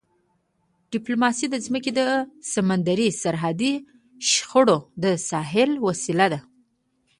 ډیپلوماسي د ځمکني او سمندري سرحدي شخړو د حل وسیله ده.